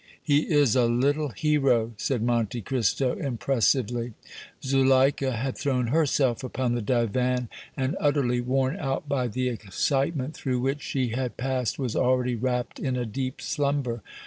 "He is a little hero," said Monte Cristo, impressively. Zuleika had thrown herself upon the divan, and, utterly worn out by the excitement through which she had passed, was already wrapped in a deep slumber.